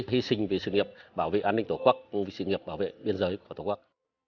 hy sinh vì sự nghiệp bảo vệ an ninh tổ quốc vì sự nghiệp bảo vệ biên giới của tổ quốc